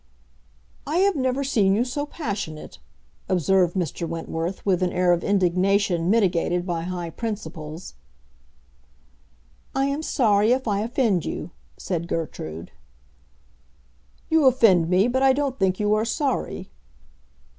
"I have never seen you so passionate," observed Mr. Wentworth, with an air of indignation mitigated by high principles. "I am sorry if I offend you," said Gertrude. "You offend me, but I don't think you are sorry."